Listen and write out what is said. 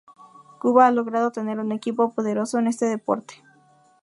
Cuba ha logrado tener un equipo poderoso en este deporte.